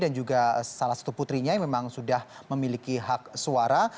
dan juga salah satu putrinya yang memang sudah memiliki hak suara